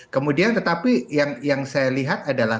kemudian tetapi yang saya lihat adalah